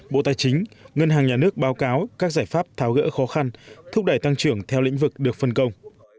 bộ tài chính ngân hàng nhà nước báo cáo các giải pháp tháo gỡ khó khăn thúc đẩy tăng trưởng theo lĩnh vực được phân công